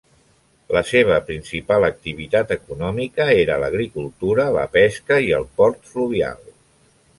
La seva principal activitat econòmica era l'agricultura, la pesca i el port fluvial.